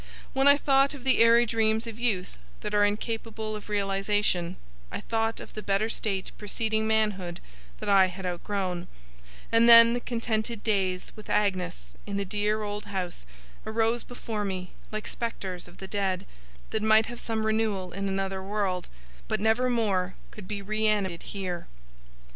When I thought of the airy dreams of youth that are incapable of realization, I thought of the better state preceding manhood that I had outgrown; and then the contented days with Agnes, in the dear old house, arose before me, like spectres of the dead, that might have some renewal in another world, but never more could be reanimated here.